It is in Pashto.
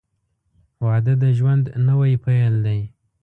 • واده د ژوند نوی پیل دی.